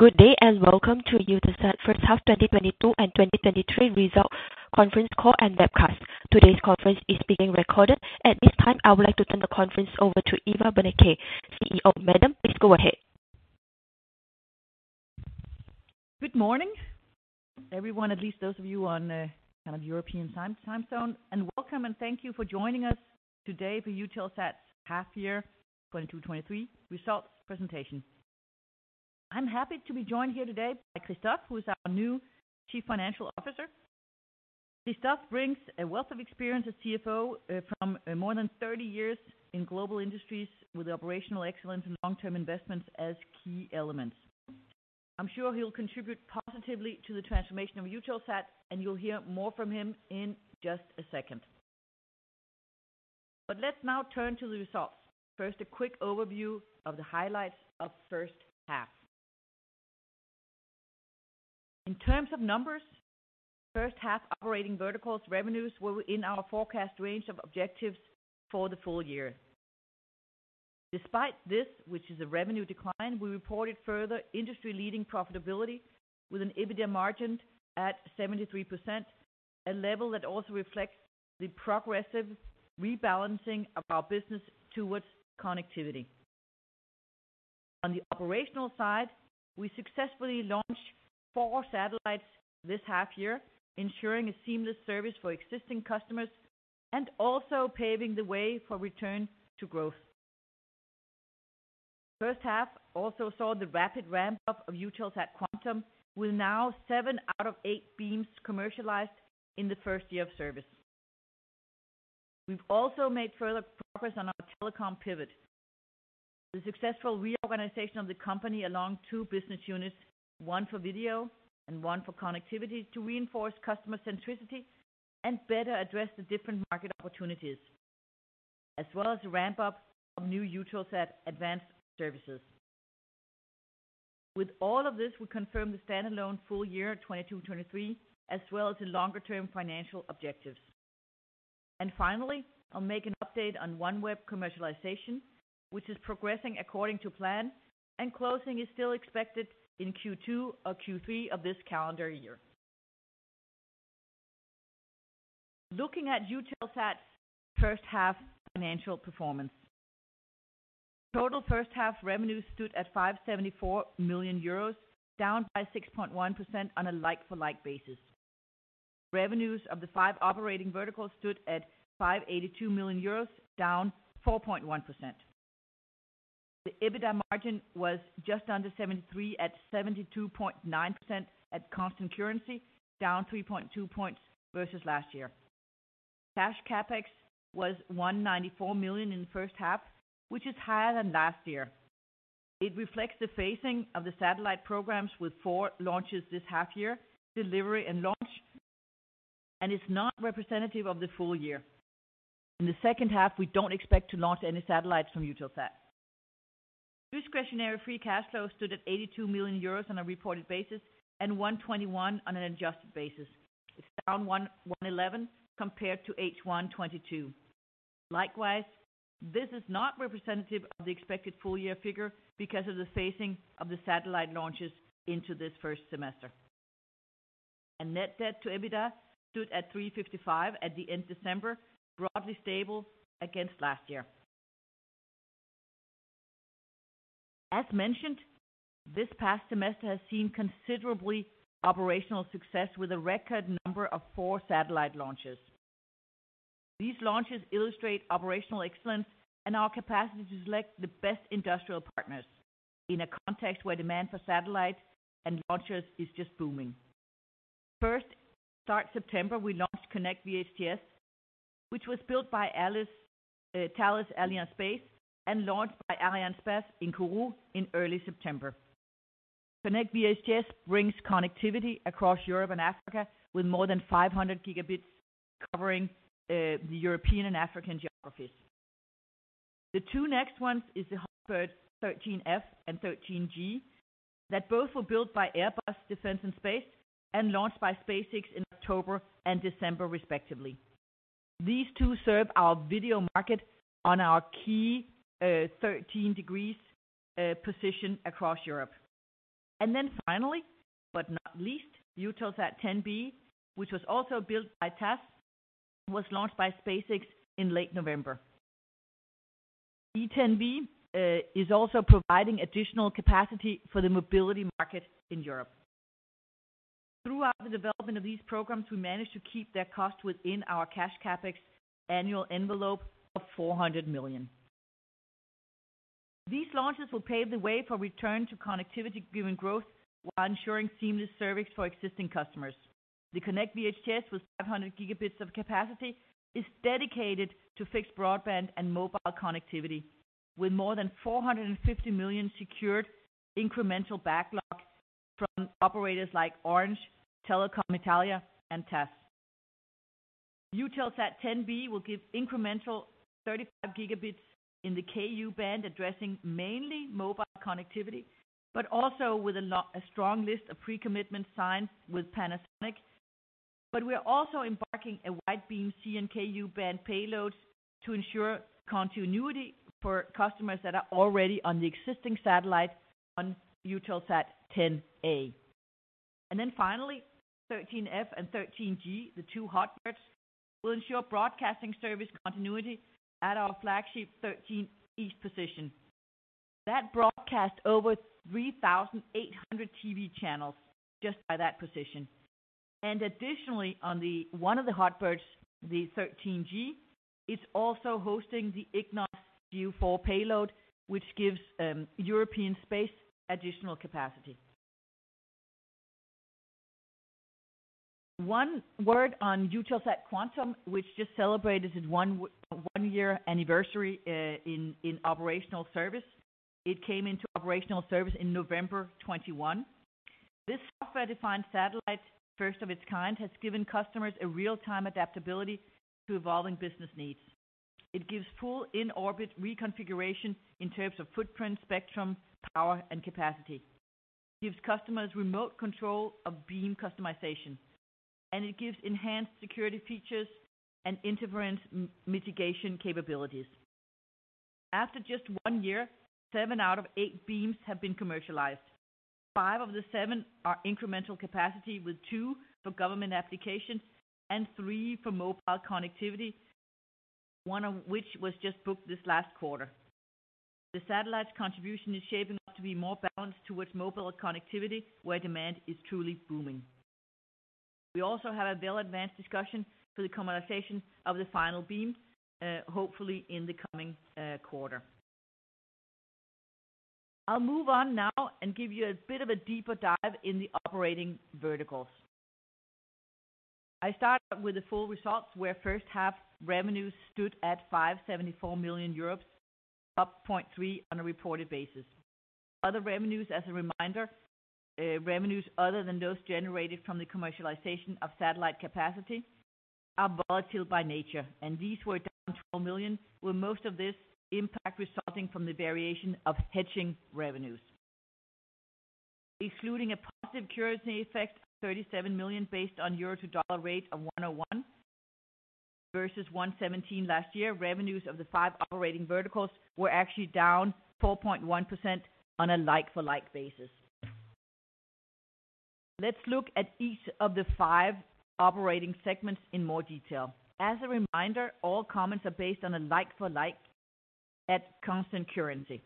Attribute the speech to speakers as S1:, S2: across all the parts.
S1: Good day, welcome to Eutelsat H1 2022 and 2023 result conference call and webcast. Today's conference is being recorded. At this time, I would like to turn the conference over to Eva Berneke, CEO. Madam, please go ahead.
S2: Good morning, everyone, at least those of you on kind of European time zone, welcome, and thank you for joining us today for Eutelsat half year 22/23 results presentation. I'm happy to be joined here today by Christophe, who is our new Chief Financial Officer. Christophe brings a wealth of experience as CFO from more than 30 years in global industries with operational excellence and long-term investments as key elements. I'm sure he'll contribute positively to the transformation of Eutelsat. You'll hear more from him in just a second. Let's now turn to the results. First, a quick overview of the highlights H1. In terms of numbers, H1 operating verticals revenues were in our forecast range of objectives for the full year. Despite this, which is a revenue decline, we reported further industry-leading profitability with an EBITDA margin at 73%, a level that also reflects the progressive rebalancing of our business towards connectivity. On the operational side, we successfully launched four satellites this half year, ensuring a seamless service for existing customers and also paving the way for return to growth. H1 also saw the rapid ramp-up of EUTELSAT QUANTUM, with now seven out of eight beams commercialized in the first year of service. We've also made further progress on our telecom pivot. The successful reorganization of the company along two business units, one for video and one for connectivity, to reinforce customer centricity and better address the different market opportunities, as well as the ramp-up of new Eutelsat ADVANCE services. With all of this, we confirm the standalone full year 2022/2023, as well as the longer-term financial objectives. Finally, I'll make an update on OneWeb commercialization, which is progressing according to plan, and closing is still expected in Q2 or Q3 of this calendar year. Looking at Eutelsat H1 financial performance. Total H1 revenue stood at 574 million euros, down by 6.1% on a like-for-like basis. Revenues of the 5 operating verticals stood at 582 million euros, down 4.1%. The EBITDA margin was just under 73 at 72.9% at constant currency, down 3.2 points versus last year. Cash CapEx was 194 million in the H1, which is higher than last year. It reflects the phasing of the satellite programs with four launches this half year, delivery and launch, and is not representative of the full year. In the H2, we don't expect to launch any satellites from Eutelsat. Discretionary free cash flow stood at 82 million euros on a reported basis and 121 on an adjusted basis. It's down 111 compared to H1 2022. Likewise, this is not representative of the expected full year figure because of the phasing of the satellite launches into this first semester. A net debt to EBITDA stood at 3.55 at the end December, broadly stable against last year. As mentioned, this past semester has seen considerably operational success with a record number of 4 satellite launches. These launches illustrate operational excellence and our capacity to select the best industrial partners in a context where demand for satellites and launchers is just booming. First, start September, we launched KONNECT VHTS, which was built by Thales Alenia Space and launched by Arianespace in Kourou in early September. KONNECT VHTS brings connectivity across Europe and Africa with more than 500 gigabits covering the European and African geographies. The two next ones is the HOTBIRD 13F and 13G that both were built by Airbus Defence and Space and launched by SpaceX in October and December respectively. These two serve our video market on our key 13 degrees position across Europe. Finally, but not least, EUTELSAT 10B, which was also built by TAS, was launched by SpaceX in late November. EUTELSAT 10B is also providing additional capacity for the mobility market in Europe. Throughout the development of these programs, we managed to keep their cost within our cash CapEx annual envelope of 400 million. These launches will pave the way for return to connectivity-driven growth while ensuring seamless service for existing customers. The KONNECT VHTS with 500 gigabits of capacity is dedicated to fixed broadband and mobile connectivity, with more than 450 million secured incremental backlog from operators like Orange, Telecom Italia, and TAS. EUTELSAT 10B will give incremental 35 gigabits in the Ku-band addressing mainly mobile connectivity, but also with a strong list of pre-commitment signs with Panasonic. We are also embarking a wide beam C-band and Ku-band payloads to ensure continuity for customers that are already on the existing satellite on EUTELSAT 10A. and 13G, the two HOTBIRDs will ensure broadcasting service continuity at our flagship 13 East position. That broadcast over 3,800 TV channels just by that position. Additionally on the one of the HOTBIRDs, the 13G, it's also hosting the EGNOS GEO-4 payload, which gives European space additional capacity. One word on EUTELSAT QUANTUM, which just celebrated its one year anniversary in operational service. It came into operational service in November 2021. This software-defined satellite, first of its kind, has given customers a real-time adaptability to evolving business needs. It gives full in-orbit reconfiguration in terms of footprint, spectrum, power and capacity, gives customers remote control of beam customization, and it gives enhanced security features and interference mitigation capabilities. After just one year, seven out of eight beams have been commercialized. 5 of the 7 are incremental capacity, with 2 for government applications and 3 for mobile connectivity, 1 of which was just booked this last quarter. The satellite's contribution is shaping up to be more balanced towards mobile connectivity, where demand is truly booming. We also have a well-advanced discussion for the commercialization of the final beam, hopefully in the coming quarter. I'll move on now and give you a bit of a deeper dive in the operating verticals. I start with the full results, where H1 revenues stood at 574 million euros, up 0.3 on a reported basis. Other revenues, as a reminder, revenues other than those generated from the commercialization of satellite capacity are volatile by nature, and these were down 12 million, with most of this impact resulting from the variation of hedging revenues. Excluding a positive currency effect of 37 million based on euro to dollar rate of 1.01 versus 1.17 last year, revenues of the five operating verticals were actually down 4.1% on a like for like basis. Let's look at each of the five operating segments in more detail. As a reminder, all comments are based on a like for like at constant currency.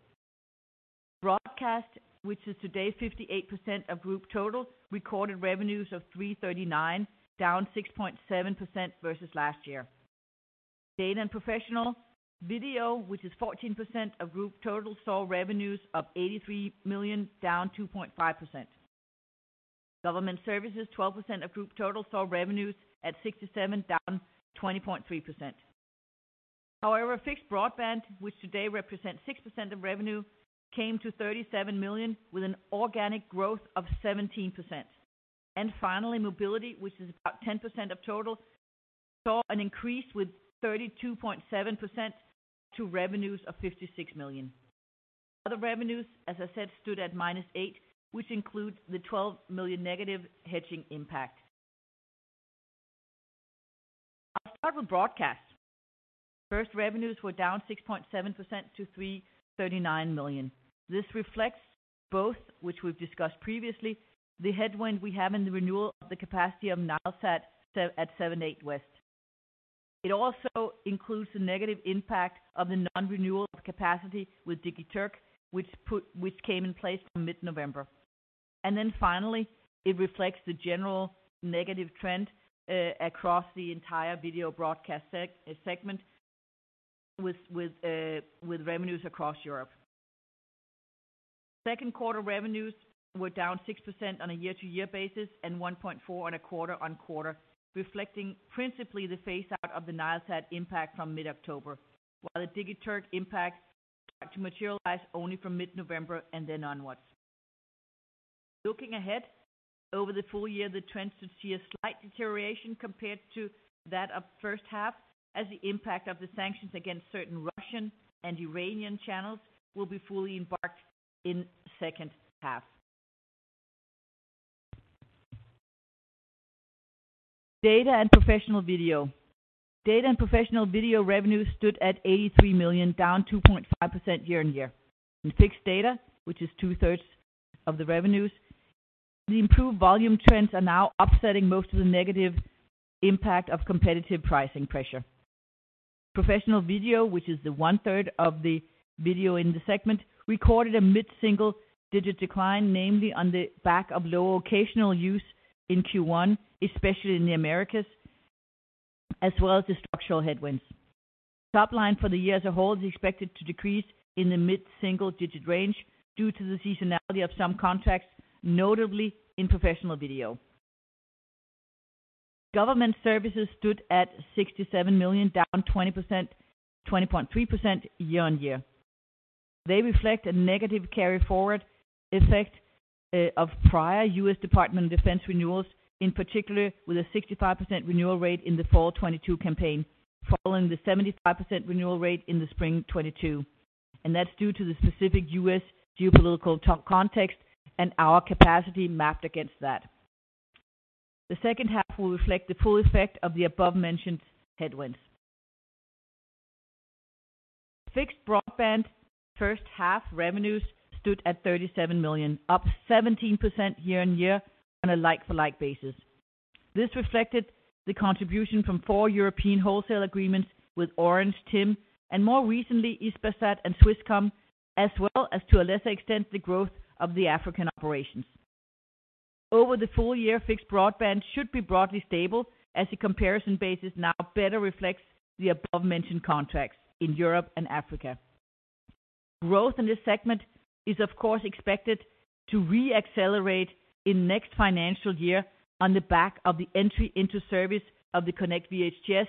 S2: Broadcast, which is today 58% of group total, recorded revenues of 339 million, down 6.7% versus last year. Data and professional video, which is 14% of group total, saw revenues of 83 million, down 2.5%. Government services, 12% of group total, saw revenues at 67 million, down 20.3%. Fixed broadband, which today represents 6% of revenue, came to 37 million with an organic growth of 17%. Mobility, which is about 10% of total, saw an increase with 32.7% to revenues of 56 million. Other revenues, as I said, stood at -8 million, which includes the 12 million negative hedging impact. I'll start with broadcast. First, revenues were down 6.7% to 339 million. This reflects both, which we've discussed previously, the headwind we have in the renewal of the capacity of Nilesat 7/8 West. It also includes the negative impact of the non-renewal of capacity with Digiturk, which came in place from mid-November. Finally, it reflects the general negative trend across the entire video broadcast segment with revenues across Europe. Second quarter revenues were down 6% on a year-to-year basis and 1.4% on a quarter-on-quarter, reflecting principally the phase out of the Nilesat impact from mid-October, while the Digiturk impact started to materialize only from mid-November and then onwards. Looking ahead over the full year, the trends should see a slight deterioration compared to that of H1, as the impact of the sanctions against certain Russian and Iranian channels will be fully embarked in H2. Data and professional video. Data and professional video revenues stood at 83 million, down 2.5% year-on-year. In fixed data, which is two-thirds of the revenues, the improved volume trends are now offsetting most of the negative impact of competitive pricing pressure. Professional video, which is the 1/3 of the video in the segment, recorded a mid-single digit decline, namely on the back of lower occasional use in Q1, especially in the Americas, as well as the structural headwinds. Top line for the year as a whole is expected to decrease in the mid-single digit range due to the seasonality of some contracts, notably in professional video. Government services stood at 67 million, down 20.3% year-on-year. They reflect a negative carry forward effect of prior U.S. Department of Defense renewals, in particular with a 65% renewal rate in the fall 2022 campaign, following the 75% renewal rate in the spring 2022. That's due to the specific U.S. geopolitical context and our capacity mapped against that. The H2 will reflect the full effect of the above-mentioned headwinds. Fixed broadband H1 revenues stood at 37 million, up 17% year-on-year on a like-for-like basis. This reflected the contribution from four European wholesale agreements with Orange, TIM, and more recently, Hispasat and Swisscom, as well as to a lesser extent, the growth of the African operations. Over the full year, fixed broadband should be broadly stable as the comparison basis now better reflects the above-mentioned contracts in Europe and Africa. Growth in this segment is, of course, expected to re-accelerate in next financial year on the back of the entry into service of the KONNECT VHTS,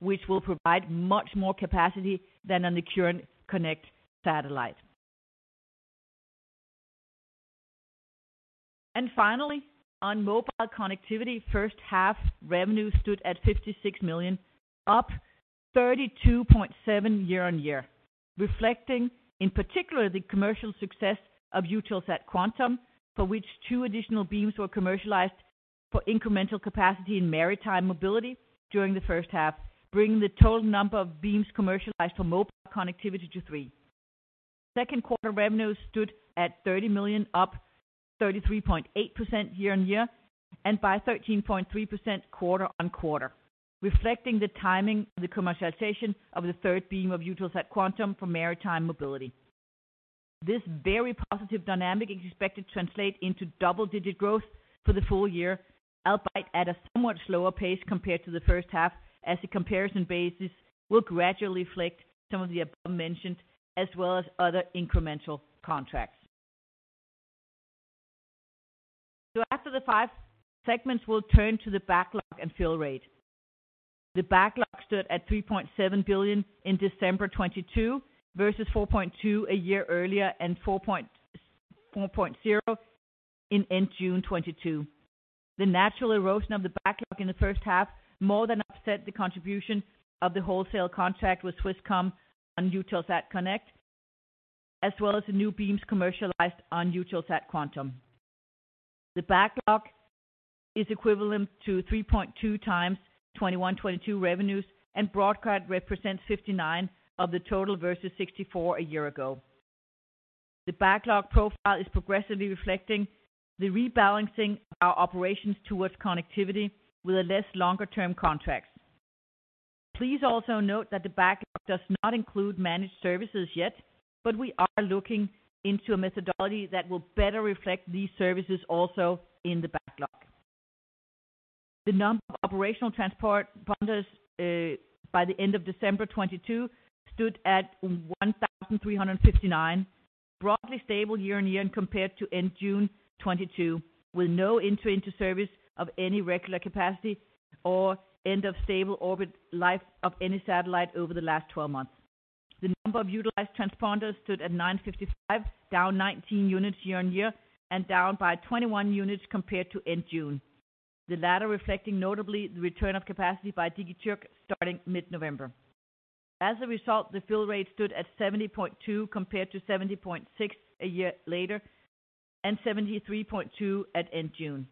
S2: which will provide much more capacity than on the current Konnect satellite. Finally, on mobile connectivity, H1 revenue stood at 56 million, up 32.7% year-on-year, reflecting in particular the commercial success of EUTELSAT QUANTUM, for which 2 additional beams were commercialized for incremental capacity in maritime mobility during the H2, bringing the total number of beams commercialized for mobile connectivity to 3. Second quarter revenue stood at 30 million, up 33.8% year-on-year, and by 13.3% quarter-on-quarter, reflecting the timing of the commercialization of the third beam of EUTELSAT QUANTUM for maritime mobility. This very positive dynamic is expected to translate into double-digit growth for the full year, albeit at a somewhat slower pace compared to the first H1, as the comparison basis will gradually reflect some of the above mentioned, as well as other incremental contracts. After the five segments, we'll turn to the backlog and fill rate. The backlog stood at 3.7 billion in December 2022 versus 4.2 billion a year earlier and 4.0 billion in June 2022. The natural erosion of the backlog in the H1 more than offset the contribution of the wholesale contract with Swisscom on Eutelsat Konnect, as well as the new beams commercialized on EUTELSAT QUANTUM. The backlog is equivalent to 3.2 times 2021, 2022 revenues, broadcast represents 59% of the total versus 64% a year ago. The backlog profile is progressively reflecting the rebalancing of our operations towards connectivity with less longer-term contracts. Also note that the backlog does not include managed services yet, but we are looking into a methodology that will better reflect these services also in the backlog. The number of operational transport transponders by the end of December 2022 stood at 1,359, broadly stable year on year and compared to end June 2022, with no entry into service of any regular capacity or end of stable orbit life of any satellite over the last 12 months. The number of utilized transponders stood at 955, down 19 units year on year, and down by 21 units compared to end June. The latter reflecting notably the return of capacity by Digiturk starting mid-November. As a result, the fill rate stood at 70.2%, compared to 70.6% a year later and 73.2% at end June.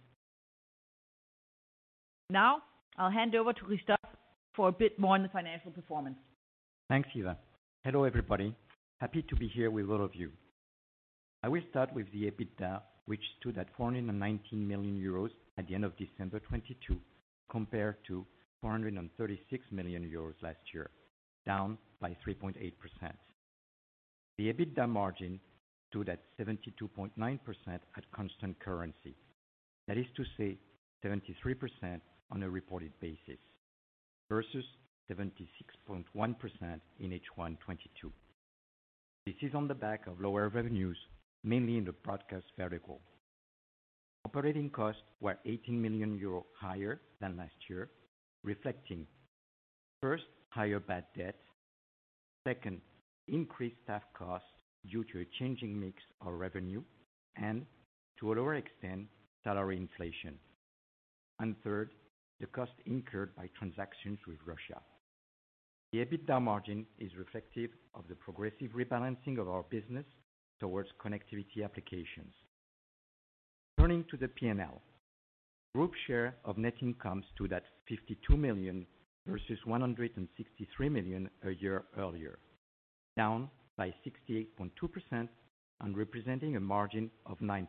S2: I'll hand over to Christophe for a bit more on the financial performance.
S3: Thanks, Eva. Hello, everybody. Happy to be here with all of you. I will start with the EBITDA, which stood at 419 million euros at the end of December 2022, compared to 436 million euros last year, down by 3.8%. The EBITDA margin stood at 72.9% at constant currency. That is to say 73% on a reported basis versus 76.1% in H1 2022. This is on the back of lower revenues, mainly in the broadcast vertical. Operating costs were 18 million euro higher than last year, reflecting first, higher bad debt, second, increased staff costs due to a changing mix of revenue and to a lower extent, salary inflation, and third, the cost incurred by transactions with Russia. The EBITDA margin is reflective of the progressive rebalancing of our business towards connectivity applications. Turning to the P&L. Group share of net income stood at 52 million versus 163 million a year earlier, down by 68.2% and representing a margin of 9%.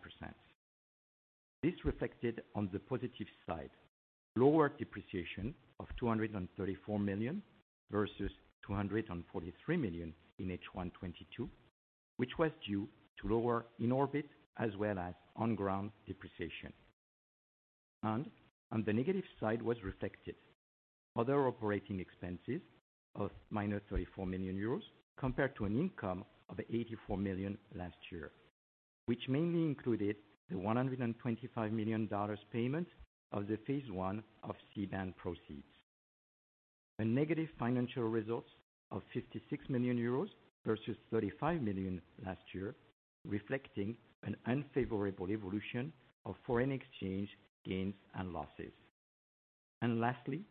S3: This reflected on the positive side, lower depreciation of 234 million versus 243 million in H1 2022, which was due to lower in orbit as well as on ground depreciation. On the negative side was reflected, other operating expenses of minus 34 million euros compared to an income of 84 million last year, which mainly included the $125 million payment of the Phase I of C-band proceeds. A negative financial results of 56 million euros versus 35 million last year, reflecting an unfavorable evolution of foreign exchange gains and losses. Lastly,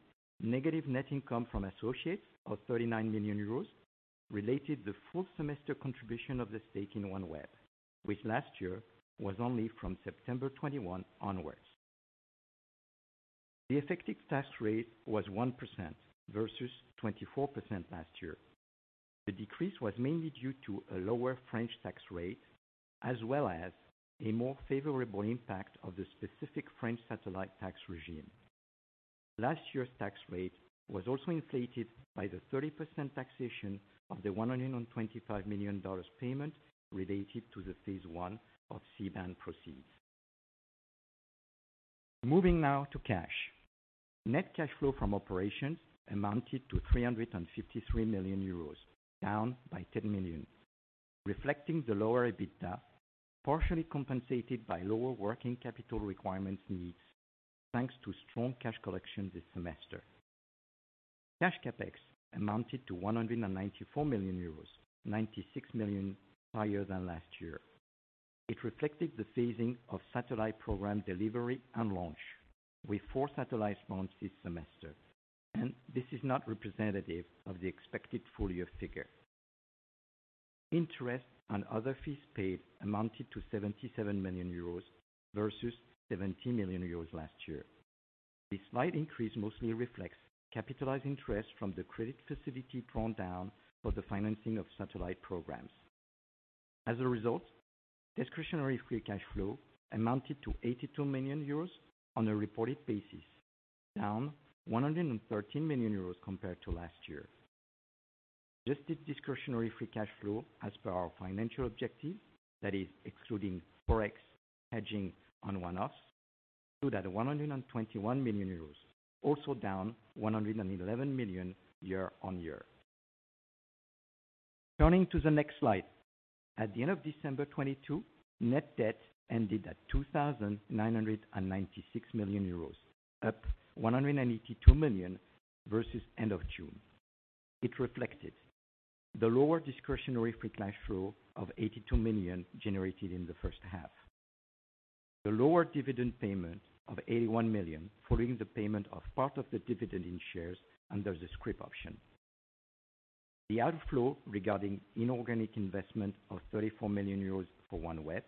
S3: negative net income from associates of 39 million euros related the full semester contribution of the stake in OneWeb, which last year was only from September 21 onwards. The effective tax rate was 1% versus 24% last year. The decrease was mainly due to a lower French tax rate as well as a more favorable impact of the specific French satellite tax regime. Last year's tax rate was also inflated by the 30% taxation of the $125 million payment related to the Phase I of C-band proceeds. Moving now to cash. Net cash flow from operations amounted to 353 million euros, down by 10 million, reflecting the lower EBITDA, partially compensated by lower working capital requirements needs, thanks to strong cash collection this semester. Cash CapEx amounted to 194 million euros, 96 million higher than last year. It reflected the phasing of satellite program delivery and launch, with four satellites launched this semester. This is not representative of the expected full-year figure. Interest on other fees paid amounted to 77 million euros versus 70 million euros last year. The slight increase mostly reflects capitalized interest from the credit facility drawn down for the financing of satellite programs. As a result, discretionary free cash flow amounted to 82 million euros on a reported basis, down 113 million euros compared to last year. Adjusted discretionary free cash flow as per our financial objective, that is excluding Forex hedging on one-offs, stood at 121 million euros, also down 111 million year-on-year. Turning to the next slide. At the end of December 2022, net debt ended at 2,996 million euros, up 182 million versus end of June. It reflected the lower discretionary free cash flow of 82 million generated in the H1. The lower dividend payment of 81 million following the payment of part of the dividend in shares under the scrip option. The outflow regarding inorganic investment of 34 million euros for OneWeb.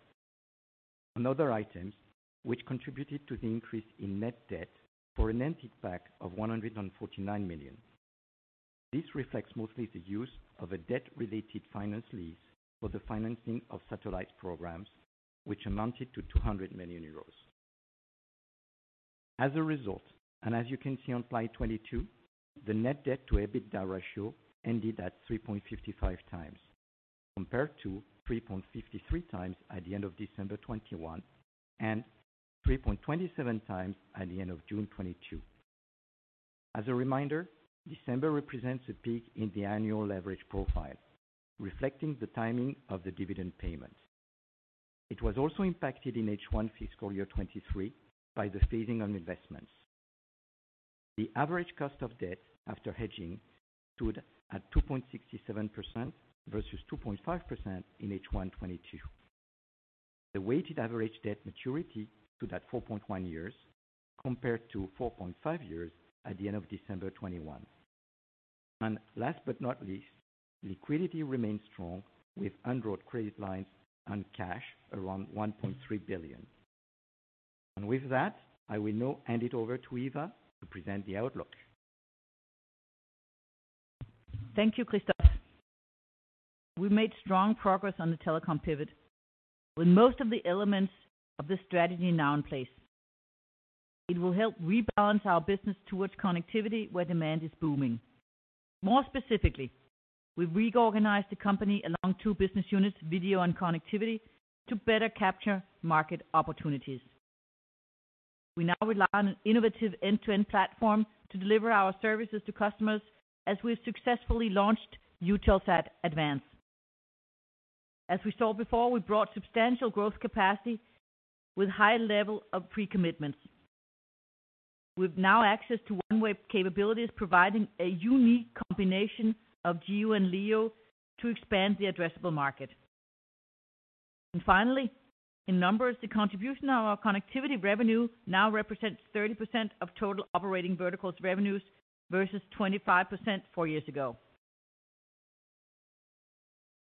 S3: Other items which contributed to the increase in net debt for an impact of 149 million. This reflects mostly the use of a debt-related finance lease for the financing of satellite programs, which amounted to 200 million euros. As a result, as you can see on slide 22, the net debt to EBITDA ratio ended at 3.55 times, compared to 3.53 times at the end of December 2021 and 3.27 times at the end of June 2022. As a reminder, December represents a peak in the annual leverage profile, reflecting the timing of the dividend payment. It was also impacted in H1 fiscal year 2023 by the phasing on investments. The average cost of debt after hedging stood at 2.67% versus 2.5% in H1 2022. The weighted average debt maturity stood at 4.1 years compared to 4.5 years at the end of December 2021. Last but not least, liquidity remains strong with undrawn credit lines and cash around 1.3 billion. With that, I will now hand it over to Eva to present the outlook.
S2: Thank you, Christophe. We've made strong progress on the telecom pivot, with most of the elements of this strategy now in place. It will help rebalance our business towards connectivity where demand is booming. More specifically, we've reorganized the company along 2 business units, video and connectivity, to better capture market opportunities. We now rely on an innovative end-to-end platform to deliver our services to customers as we have successfully launched Eutelsat ADVANCE. As we saw before, we brought substantial growth capacity with high level of pre-commitments. We've now access to OneWeb capabilities providing a unique combination of GEO and LEO to expand the addressable market. Finally, in numbers, the contribution of our connectivity revenue now represents 30% of total operating verticals revenues versus 25% 4 years ago.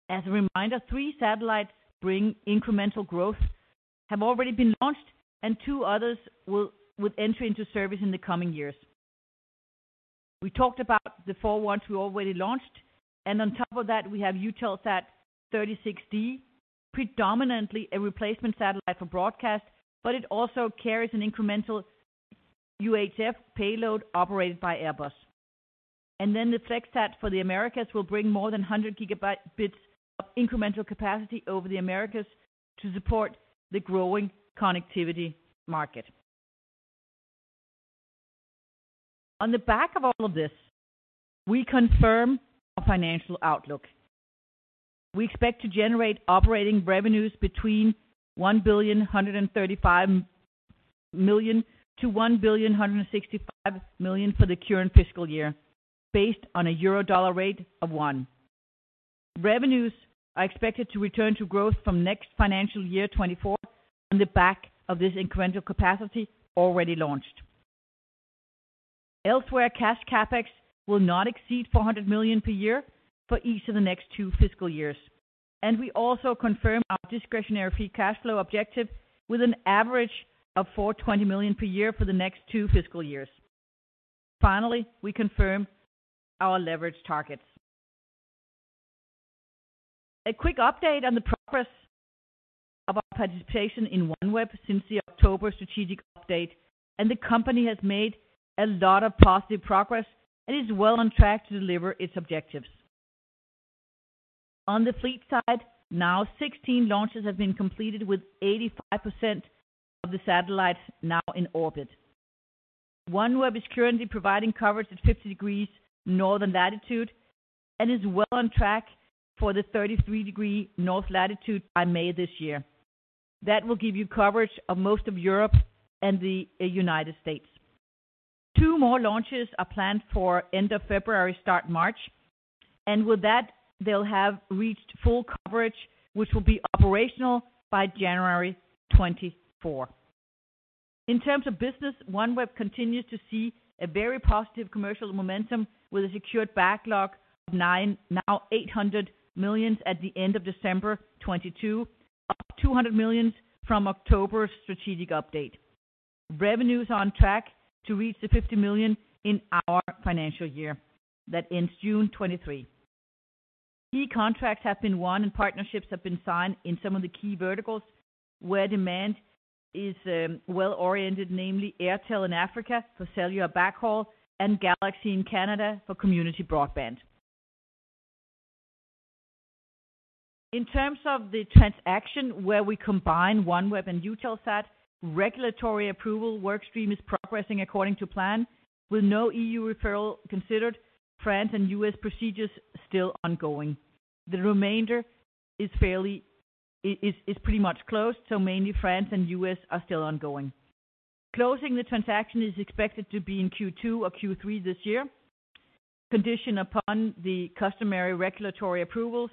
S2: As a reminder, 3 satellites bring incremental growth, have already been launched, two others with entry into service in the coming years. We talked about the 4 ones we already launched, and on top of that, we have EUTELSAT 36D, predominantly a replacement satellite for broadcast, but it also carries an incremental UHF payload operated by Airbus. The FlexSat for the Americas will bring more than 100 gigabyte-bits of incremental capacity over the Americas to support the growing connectivity market. On the back of all of this, we confirm our financial outlook. We expect to generate operating revenues between 1 billion 135 million-EUR 1 billion 165 million for the current fiscal year based on a euro dollar rate of 1. Revenues are expected to return to growth from next financial year 2024 on the back of this incremental capacity already launched. Elsewhere, cash CapEx will not exceed 400 million per year for each of the next 2 fiscal years. We also confirm our discretionary free cash flow objective with an average of 420 million per year for the next 2 fiscal years. Finally, we confirm our leverage targets. A quick update on the progress of our participation in OneWeb since the October strategic update, and the company has made a lot of positive progress and is well on track to deliver its objectives. On the fleet side, now 16 launches have been completed with 85% of the satellites now in orbit. OneWeb is currently providing coverage at 50 degrees northern latitude and is well on track for the 33 degree north latitude by May this year. That will give you coverage of most of Europe and the United States. Two more launches are planned for end of February, start March, and with that they'll have reached full coverage, which will be operational by January 2024. In terms of business, OneWeb continues to see a very positive commercial momentum with a secured backlog of now 800 million at the end of December 2022, up 200 million from October strategic update. Revenue is on track to reach the 50 million in our financial year that ends June 2023. Key contracts have been won and partnerships have been signed in some of the key verticals where demand is well oriented, namely Airtel in Africa for cellular backhaul and Galaxy in Canada for community broadband. In terms of the transaction where we combine OneWeb and Eutelsat, regulatory approval work stream is progressing according to plan, with no E.U. referral considered, France and U.S. procedures still ongoing. The remainder is fairly pretty much closed, so mainly France and U.S. are still ongoing. Closing the transaction is expected to be in Q2 or Q3 this year, conditioned upon the customary regulatory approvals,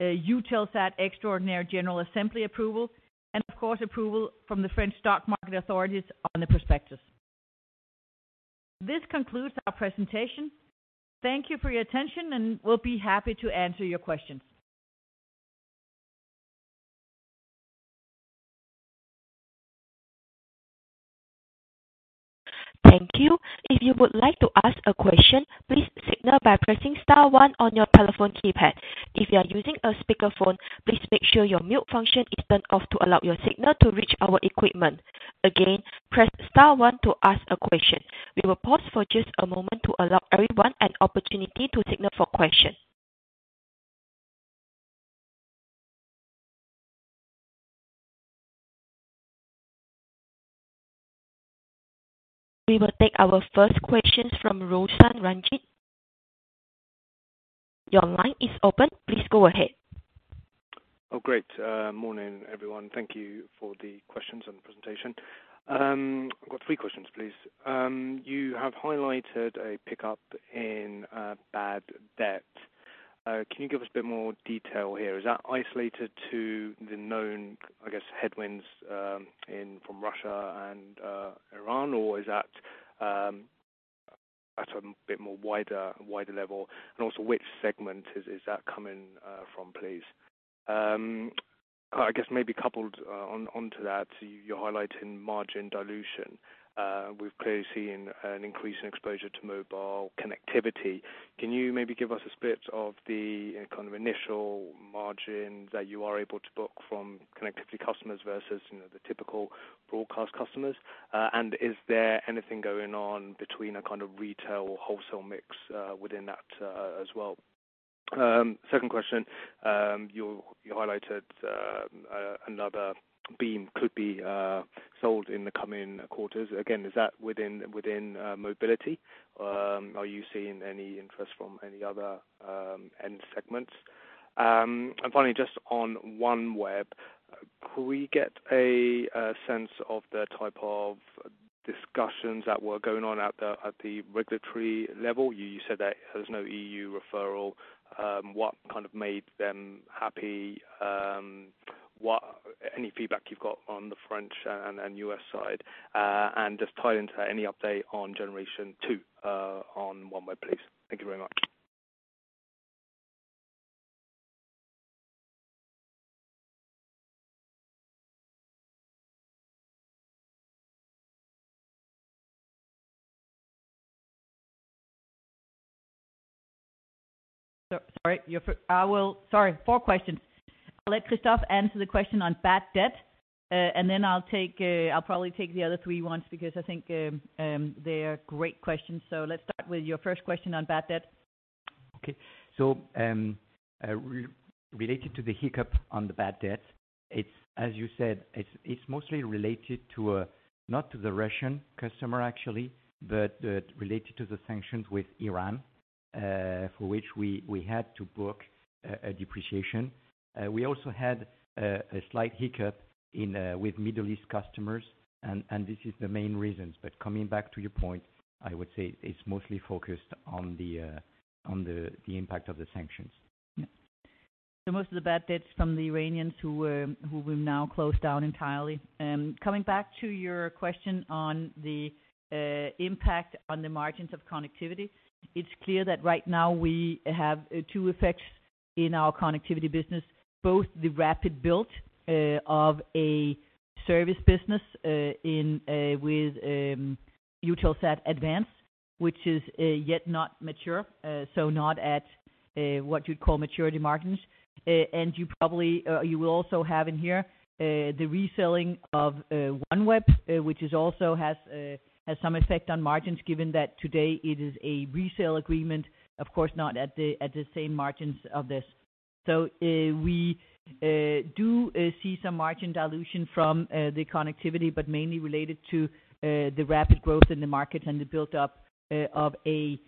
S2: Eutelsat Extraordinary General Assembly approval and of course, approval from the French stock market authorities on the prospectus. This concludes our presentation. Thank you for your attention, and we'll be happy to answer your questions.
S1: Thank you. If you would like to ask a question, please signal by pressing star one on your telephone keypad. If you are using a speakerphone, please make sure your mute function is turned off to allow your signal to reach our equipment. Again, press star one to ask a question. We will pause for just a moment to allow everyone an opportunity to signal for question. We will take our first question from Roshan Ranjit. Your line is open. Please go ahead.
S4: Oh, great. Morning, everyone. Thank you for the questions and presentation. I've got three questions, please. You have highlighted a pickup in bad debt. Can you give us a bit more detail here? Is that isolated to the known, I guess, headwinds in from Russia and Iran, or is that at a bit more wider level? Which segment is that coming from, please? I guess maybe coupled onto that, you're highlighting margin dilution. We've clearly seen an increase in exposure to mobile connectivity. Can you maybe give us a split of the kind of initial margin that you are able to book from connectivity customers versus the typical broadcast customers? Is there anything going on between a kind of retail or wholesale mix within that as well? Second question. You highlighted another beam could be sold in the coming quarters. Again, is that within mobility? Are you seeing any interest from any other end segments? Finally, just on OneWeb, could we get a sense of the type of discussions that were going on at the regulatory level? You said that there's no EU referral. What kind of made them happy? What feedback you've got on the French and U.S. side? Just tied into that, any update on generation 2 on OneWeb, please? Thank you very much.
S2: Sorry, four questions. I'll let Christophe answer the question on bad debt. Then I'll take, I'll probably take the other three ones because I think they are great questions. Let's start with your first question on bad debt.
S3: Okay. Related to the hiccup on the bad debt, it's, as you said, it's mostly related to not to the Russian customer actually, but related to the sanctions with Iran, for which we had to book a depreciation. We also had a slight hiccup in with Middle East customers, and this is the main reasons. Coming back to your point, I would say it's mostly focused on the impact of the sanctions.
S2: Most of the bad debts from the Iranians who will now close down entirely. Coming back to your question on the impact on the margins of connectivity, it's clear that right now we have two effects in our connectivity business, both the rapid build of a service business in with Eutelsat ADVANCE, which is yet not mature, so not at what you'd call maturity margins. You probably you will also have in here the reselling of OneWeb, which also has some effect on margins given that today it is a resale agreement, of course not at the same margins of this. We do see some margin dilution from the connectivity, but mainly related to the rapid growth in the market and the build up of a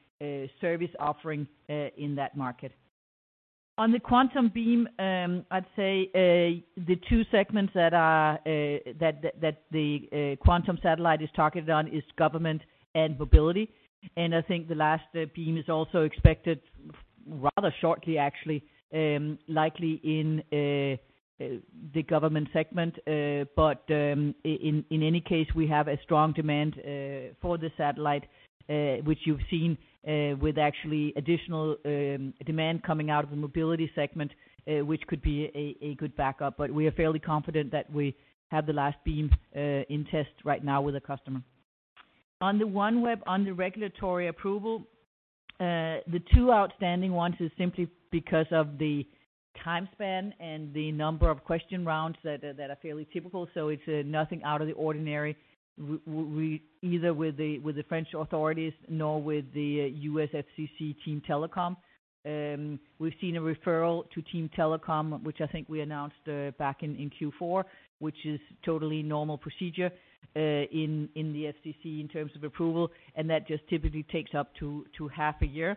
S2: service offering in that market. On the Quantum beam, I'd say the two segments that are that the Quantum satellite is targeted on is government and mobility. I think the last beam is also expected rather shortly, actually, likely in the government segment. But in any case, we have a strong demand for the satellite, which you've seen with actually additional demand coming out of the mobility segment, which could be a good backup. But we are fairly confident that we have the last beam in test right now with a customer. On the OneWeb, on the regulatory approval, the two outstanding ones is simply because of the time span and the number of question rounds that are fairly typical. It's nothing out of the ordinary either with the French authorities, nor with the U.S. FCC Team Telecom. We've seen a referral to Team Telecom, which I think we announced back in Q4, which is totally normal procedure in the FCC in terms of approval, and that just typically takes up to half a year.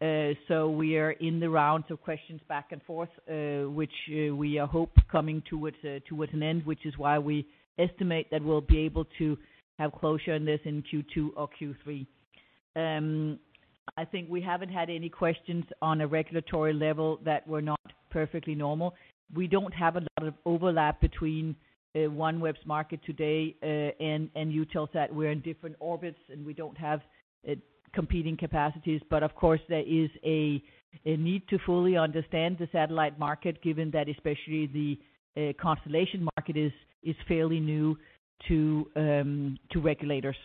S2: We are in the rounds of questions back and forth, which we hope coming towards an end, which is why we estimate that we'll be able to have closure on this in Q2 or Q3. I think we haven't had any questions on a regulatory level that were not perfectly normal. We don't have a lot of overlap between OneWeb's market today and Eutelsat. We're in different orbits, and we don't have competing capacities. Of course, there is a need to fully understand the satellite market, given that especially the constellation market is fairly new to regulators.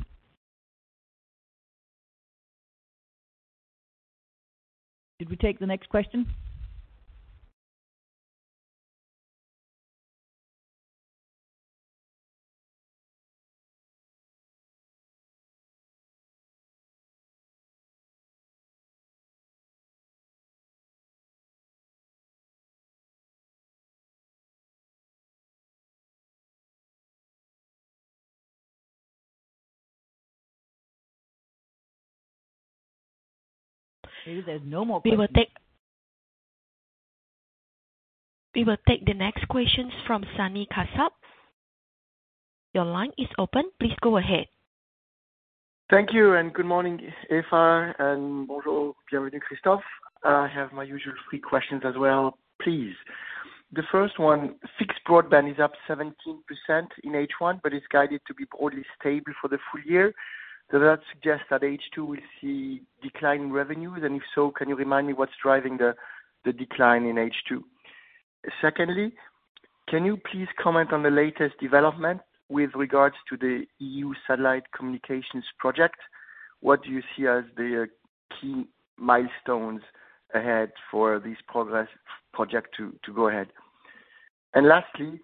S2: Did we take the next question? Maybe there's no more questions.
S1: We will take the next questions from Sami Kassab. Your line is open. Please go ahead.
S5: Thank you, good morning, Eva, and bonjour, bienvenue, Christophe. I have my usual three questions as well, please. The first one, fixed broadband is up 17% in H1, it's guided to be broadly stable for the full year. Does that suggest that H2 will see declining revenues? If so, can you remind me what's driving the decline in H2? Secondly, can you please comment on the latest development with regards to the EU satellite communications project? What do you see as the key milestones ahead for this project to go ahead? Lastly,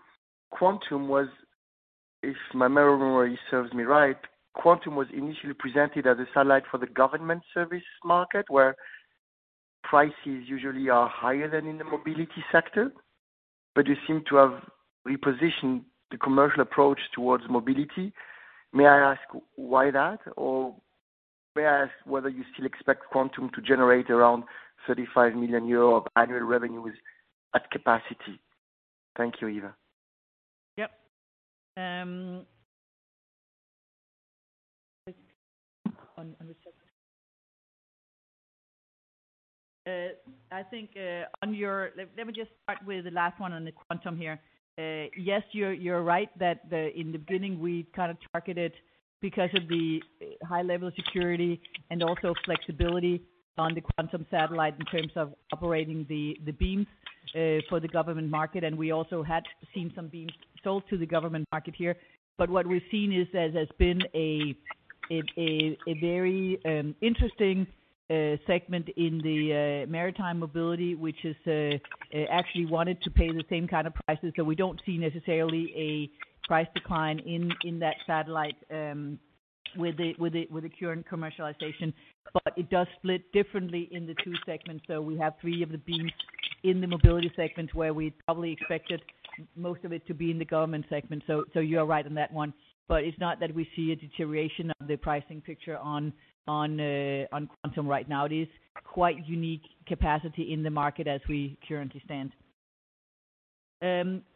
S5: if my memory serves me right, EUTELSAT QUANTUM was initially presented as a satellite for the government service market, where prices usually are higher than in the mobility sector. You seem to have repositioned the commercial approach towards mobility. May I ask why that? May I ask whether you still expect Quantum to generate around 35 million euros of annual revenues at capacity? Thank you, Eva.
S2: Yep. I think let me just start with the last one on the Quantum here. Yes, you're right that in the beginning, we kind of targeted because of the high level of security and also flexibility on the Quantum satellite in terms of operating the beams for the government market. We also had seen some beams sold to the government market here. What we've seen is there's been a very interesting segment in the maritime mobility, which is actually wanted to pay the same kind of prices. We don't see necessarily a price decline in that satellite with the current commercialization. It does split differently in the two segments. We have three of the beams in the mobility segment where we probably expected most of it to be in the government segment. You are right on that one, but it's not that we see a deterioration of the pricing picture on Quantum right now. It is quite unique capacity in the market as we currently stand.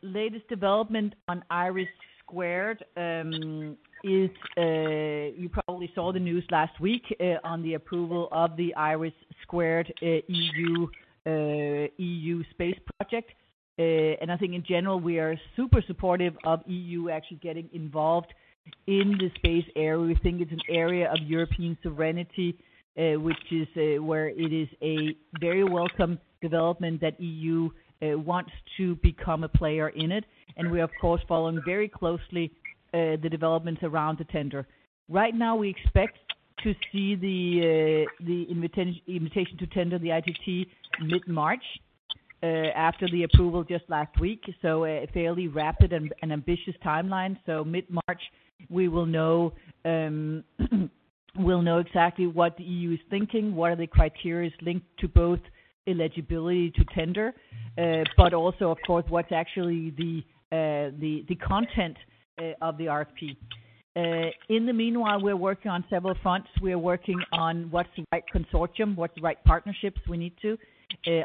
S2: Latest development on Iris squared is you probably saw the news last week on the approval of the Iris EU space project. I think in general, we are super supportive of EU actually getting involved in the space area. We think it's an area of European serenity, which is where it is a very welcome development that EU wants to become a player in it. We are of course, following very closely the developments around the tender. Right now, we expect to see the invitation to tender the ITT mid-March after the approval just last week. A fairly rapid and ambitious timeline. Mid-March we will know, we'll know exactly what the EU is thinking, what are the criteria linked to both eligibility to tender, but also of course, what's actually the content of the RFP. In the meanwhile, we're working on several fronts. We are working on what's the right consortium, what's the right partnerships we need to.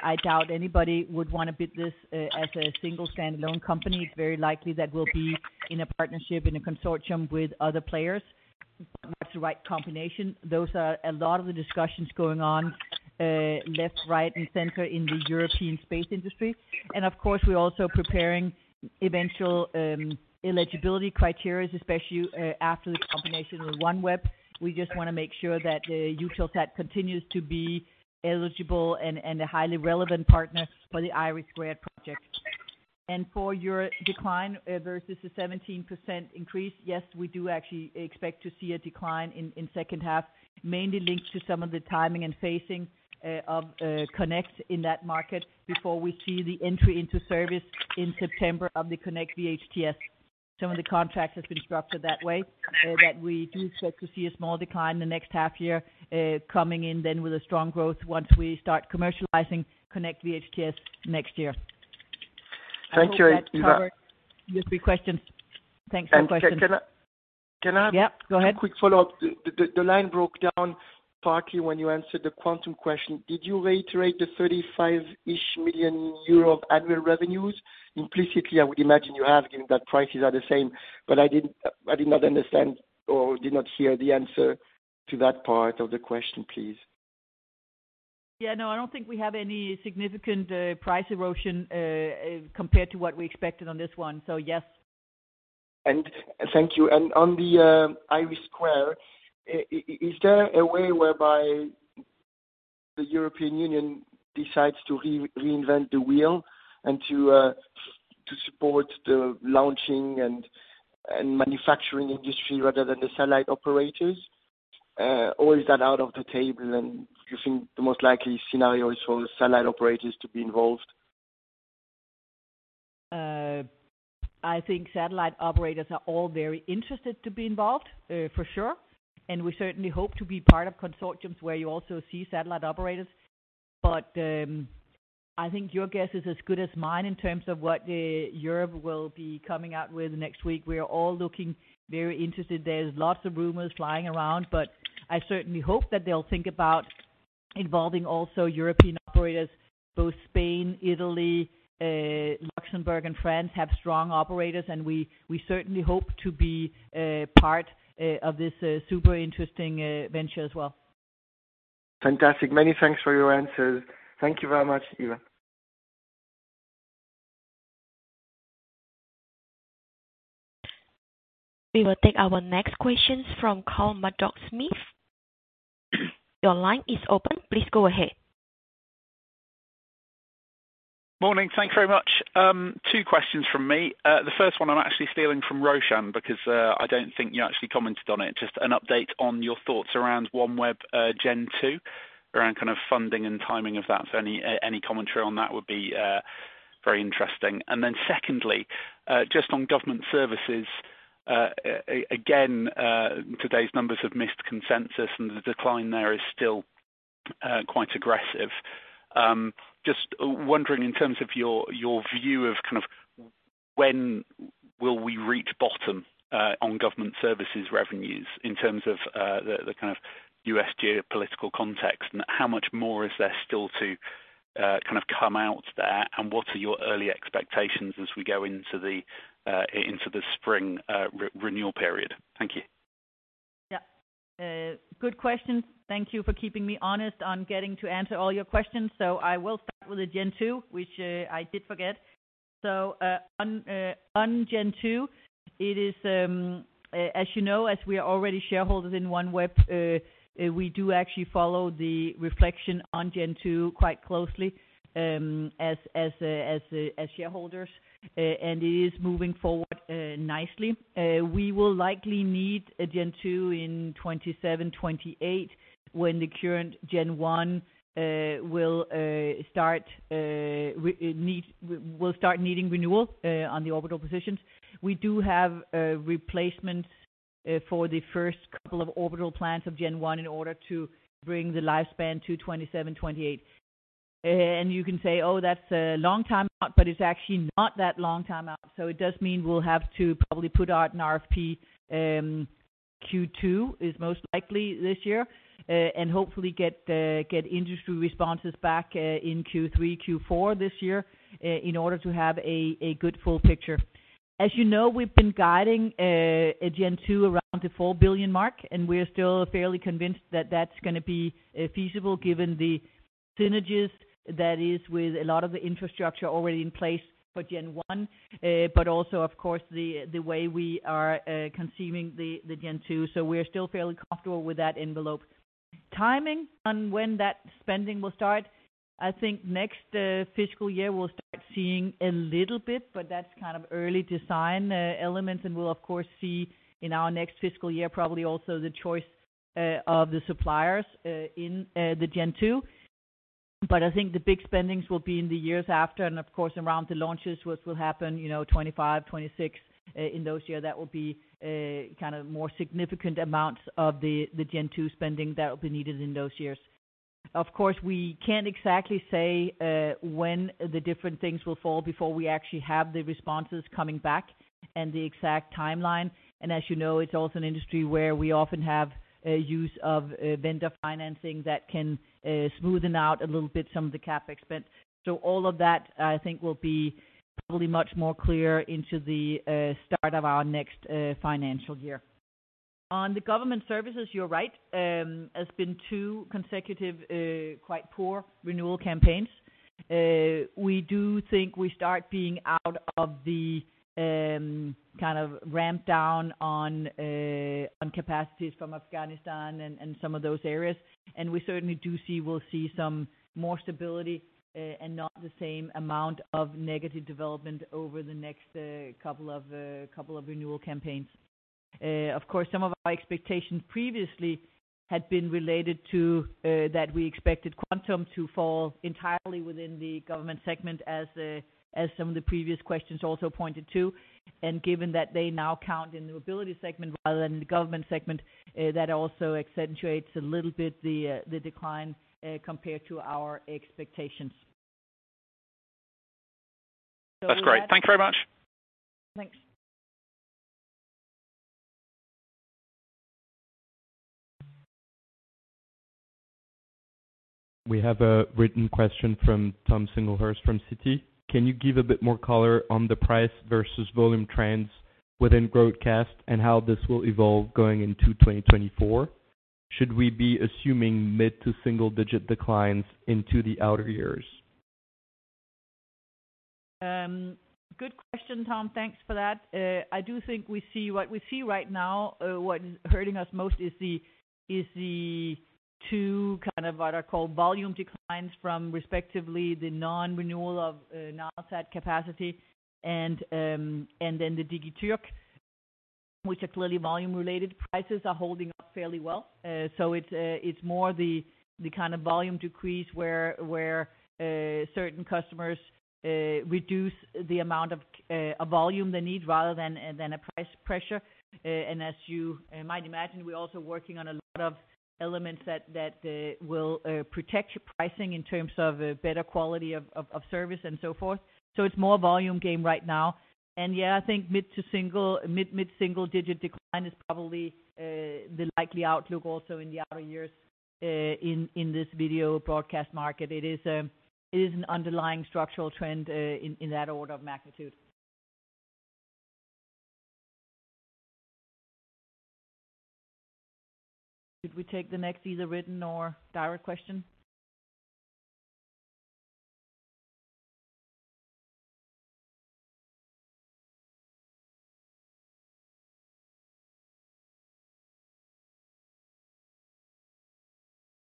S2: I doubt anybody would wanna bid this as a single standalone company. It's very likely that we'll be in a partnership, in a consortium with other players. What's the right combination? Those are a lot of the discussions going on, left, right, and center in the European space industry. Of course, we're also preparing eventual eligibility criterias, especially after this combination with OneWeb. We just wanna make sure that Eutelsat continues to be eligible and a highly relevant partner for the IRIS² project. For your decline versus the 17% increase, yes, we do actually expect to see a decline in H2, mainly linked to some of the timing and phasing of Konnect in that market before we see the entry into service in September of the KONNECT VHTS. Some of the contracts has been structured that way, that we do expect to see a small decline in the next half year, coming in then with a strong growth once we start commercializing KONNECT VHTS next year.
S5: Thank you, Eva.
S2: I hope that covered your three questions. Thanks for the question.
S5: Can I?
S2: Yeah, go ahead.
S5: A quick follow-up. The line broke down partly when you answered the Quantum question. Did you reiterate the 35-ish million euro annual revenues? Implicitly, I would imagine you have, given that prices are the same, but I did not understand or did not hear the answer to that part of the question, please.
S2: No, I don't think we have any significant price erosion compared to what we expected on this one. Yes.
S5: Thank you. On the IRIS², is there a way whereby the European Union decides to reinvent the wheel and to support the launching and manufacturing industry rather than the satellite operators? Or is that out of the table, and you think the most likely scenario is for the satellite operators to be involved?
S2: I think satellite operators are all very interested to be involved for sure. We certainly hope to be part of consortiums where you also see satellite operators. I think your guess is as good as mine in terms of what Europe will be coming out with next week. We are all looking very interested. There's lots of rumors flying around. I certainly hope that they'll think about involving also European operators. Both Spain, Italy, Luxembourg, and France have strong operators. We certainly hope to be part of this super interesting venture as well.
S5: Fantastic. Many thanks for your answers. Thank you very much, Eva.
S1: We will take our next questions from Carl Murdock-Smith. Your line is open. Please go ahead.
S6: Morning. Thank you very much. 2 questions from me. The first one I'm actually stealing from Roshan because I don't think you actually commented on it. Just an update on your thoughts around OneWeb Gen 2, around kind of funding and timing of that. Any commentary on that would be very interesting. Secondly, just on government services, again, today's numbers have missed consensus and the decline there is still quite aggressive. Just wondering in terms of your view of kind of when will we reach bottom on government services revenues in terms of the kind of U.S. geopolitical context, and how much more is there still to kind of come out there, and what are your early expectations as we go into the spring renewal period? Thank you.
S2: Yeah. Good questions. Thank you for keeping me honest on getting to answer all your questions. I will start with the Gen 2, which I did forget. On Gen 2, it is, as we are already shareholders in OneWeb, we do actually follow the reflection on Gen 2 quite closely, as shareholders. It is moving forward nicely. We will likely need a Gen 2 in 2027, 2028 when the current Gen 1 will start needing renewal on the orbital positions. We do have replacement for the first couple of orbital plans of Gen 1 in order to bring the lifespan to 2027, 2028. You can say, "Oh, that's a long time out," but it's actually not that long time out. It does mean we'll have to probably put out an RFP, Q2 is most likely this year, and hopefully get industry responses back in Q3, Q4 this year, in order to have a good full picture. We've been guiding Gen 2 around the 4 billion mark, and we're still fairly convinced that that's going to be feasible given the synergies that is with a lot of the infrastructure already in place for Gen 1. Also, of course, the way we are conceiving the Gen 2. We're still fairly comfortable with that envelope. Timing on when that spending will start. I think next, fiscal year we'll start seeing a little bit, but that's kind of early design, elements, and we'll of course see in our next fiscal year probably also the choice, of the suppliers, in, the Gen 2. I think the big spendings will be in the years after, and of course, around the launches, which will happen 25, 26. In those year, that will be, kind of more significant amounts of the Gen 2 spending that will be needed in those years. Of course, we can't exactly say, when the different things will fall before we actually have the responses coming back and the exact timeline. As you know, it's also an industry where we often have use of vendor financing that can smoothen out a little bit some of the CapEx spend. All of that, I think will be probably much more clear into the start of our next financial year. On the government services, you're right. It's been 2 consecutive, quite poor renewal campaigns. We do think we start being out of the kind of ramp down on capacities from Afghanistan and some of those areas. We certainly do see we'll see some more stability and not the same amount of negative development over the next 2 renewal campaigns. Of course, some of our expectations previously had been related to, that we expected Quantum to fall entirely within the government segment as some of the previous questions also pointed to. Given that they now count in the mobility segment rather than the government segment, that also accentuates a little bit the decline, compared to our expectations.
S5: That's great. Thanks very much.
S2: Thanks.
S7: We have a written question from Thomas Singlehurst from Citi. Can you give a bit more color on the price versus volume trends within Broadcast and how this will evolve going into 2024? Should we be assuming mid to single digit declines into the outer years?
S2: Good question, Tom. Thanks for that. I do think we see what we see right now. What is hurting us most is the two kind of what I call volume declines from respectively the non-renewal of Nilesat capacity and then the Digiturk, which are clearly volume related. Prices are holding up fairly well. So it's more the kind of volume decrease where certain customers reduce the amount of volume they need rather than a price pressure. And as you might imagine, we're also working on a lot of elements that will protect your pricing in terms of a better quality of service and so forth. So it's more volume game right now. Yeah, I think mid single digit decline is probably the likely outlook also in the outer years, in this video broadcast market. It is, it is an underlying structural trend, in that order of magnitude. Should we take the next either written or direct question?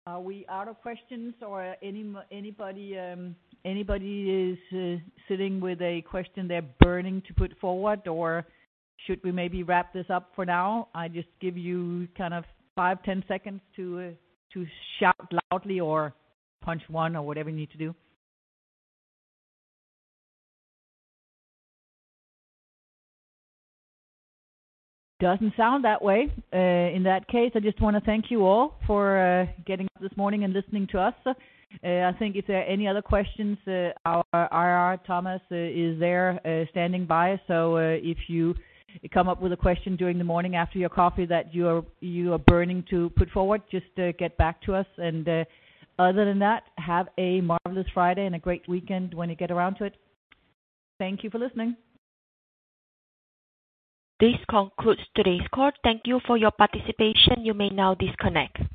S2: Are we out of questions or anybody is sitting with a question they're burning to put forward, or should we maybe wrap this up for now? I just give you kind of 5, 10 seconds to shout loudly or punch one or whatever you need to do. Doesn't sound that way. In that case, I just want to thank you all for getting up this morning and listening to us. I think if there are any other questions, our IR, Thomas, is there standing by. If you come up with a question during the morning after your coffee that you are burning to put forward, just get back to us. Other than that, have a marvelous Friday and a great weekend when you get around to it. Thank you for listening.
S1: This concludes today's call. Thank you for your participation. You may now disconnect.